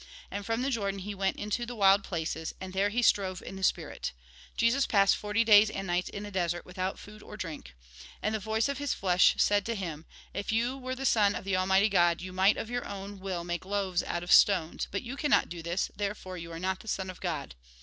And from the Jordan he went into the wild places, and there he strove in the spirit. Jesus passed forty days and nights in the desert, without food or drink. 26 THE GOSPEL IN BRIEF And the voice of his flesh said to him :" If you were Son of the Almighty God, you might of your own will makeloaves out of stones ; but you cannot do this, therefore you are not Son of God."